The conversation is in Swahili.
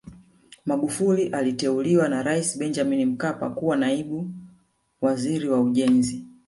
Magufuli aliteuliwa na Rais Benjamin Mkapa kuwa naibu waziri wa ujenzi